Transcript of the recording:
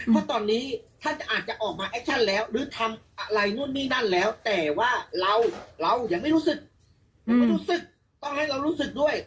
เพราะตอนนี้ท่านอาจจะออกมาแอคชั่นแล้วหรือทำอะไรนู่นนี่นั่นแล้วแต่ว่าเราเรายังไม่รู้สึกยังไม่รู้สึกต้องให้เรารู้สึกด้วย